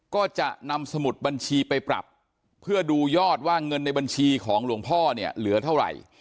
ก็จะนำสมุดบัญชีไปปรับเพื่อดูยอดว่าเงินในบัญชีของหลวงพ่อเนี่ยเหลือเท่าไหร่